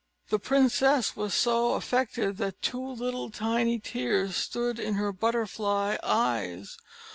The princess was so affected, that two little tiny tears stood in her butterfly eyes.